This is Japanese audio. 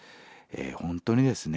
本当にですね